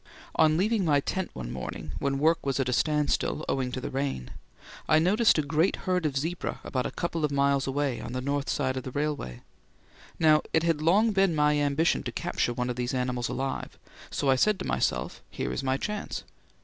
On leaving my tent one morning when work was at a standstill owing to the rain, I noticed a great herd of zebra about a couple of miles away on the north side of the railway. Now, it had long been my ambition to capture one of these animals alive; so I said to myself, "Here is my chance!"